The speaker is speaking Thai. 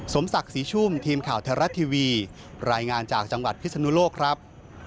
สมศักดิ์ศรีชุ่มทีมข่าวไทยรัฐทีวีรายงานจากจังหวัดพิศนุโลกครับ